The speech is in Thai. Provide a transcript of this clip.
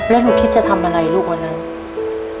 แล้วหนูคิดจะทำอะไรลูกวันนั้น